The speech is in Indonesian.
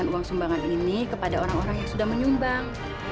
saya akan menerima uang sumbangan ini kepada orang orang yang sudah menyumbang